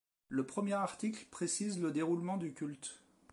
Le premier article précise le déroulement du culte.